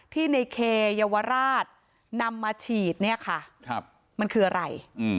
ที่ในเคเยาวราชนำมาฉีดมันคืออะไร